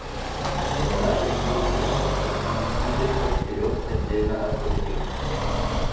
Но наш регион не может расти и двигаться вперед отдельно от других.